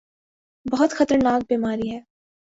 بہت خطرناک بیماری ہے۔